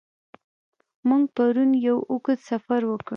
موږ پرون یو اوږد سفر وکړ.